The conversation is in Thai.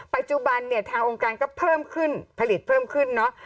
ปัจจุบันเนี่ยทางองค์การก็เพิ่มขึ้นผลิตเพิ่มขึ้นเนอะ